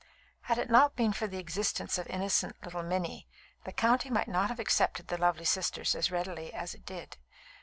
Had it not been for the existence of innocent little Minnie, the county might not have accepted the lovely sisters as readily as it did.